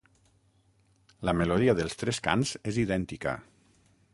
La melodia dels tres cants és idèntica.